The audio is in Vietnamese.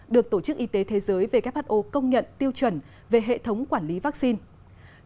được tổ chức y tế thế giới who công nhận tiêu chuẩn về hệ thống quản lý vaccine